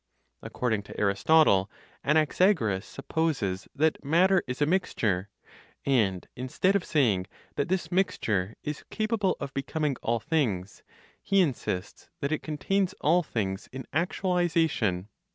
(According to Aristotle), Anaxagoras supposes that matter is a mixture and, instead of saying that this (mixture) is capable of becoming all things, he insists that it contains all things in actualization.